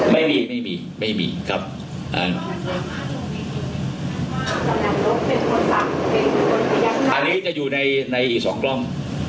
ไม่มีไม่มีครับอันนี้จะอยู่ในในอีกสองกล้อง